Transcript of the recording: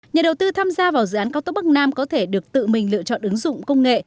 nhà đầu tư tham gia vào dự án cao tốc bắc nam có thể được tự mình lựa chọn ứng dụng công nghệ